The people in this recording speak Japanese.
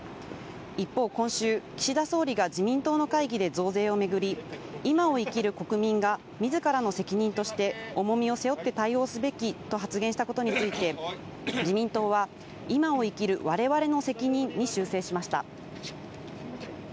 一方、今週、岸田総理が自民党の会議で増税をめぐり「今を生きる国民がみずからの責任として重みを背負って対応すべき」と発言したことについて、自民党は「今を生きる『我々』の責任」に修正しました。